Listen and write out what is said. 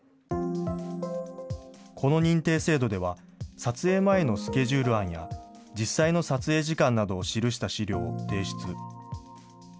この認定制度では、撮影前のスケジュール案や、実際の撮影時間などを記した資料を提出。